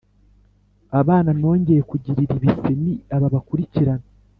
Abana nongeye kugirira ibise ni aba bakurikirana